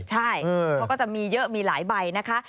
ใช่เขาก็จะมีเยอะมีหลายใบนะคะ